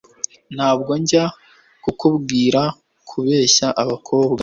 ntabwo njya kukubwira kubeshya abakobwa